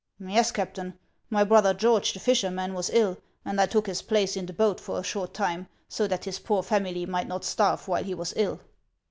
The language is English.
Yes, Captain ; my brother George, the fisherman, was ill, and I took his place in the boat for a short time, so that his poor family might not starve while he was ill."